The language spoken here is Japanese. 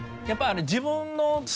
やっぱあれ自分の。